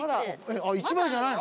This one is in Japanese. １枚じゃないの？